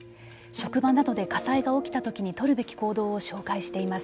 職場などで火災が起きたときに取るべき行動を紹介しています。